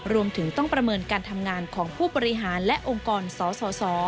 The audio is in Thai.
รวมถึงต้องประเมินการทำงานของผู้บริหารและองค์กรสส